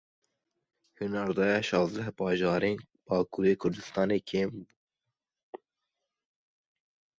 Hinardeya şazdeh bajarên Bakurê Kurdistanê kêm bû.